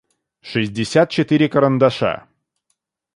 шестьдесят четыре карандаша